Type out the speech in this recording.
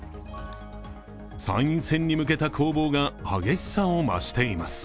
参院選に向けた攻防が激しさを増しています。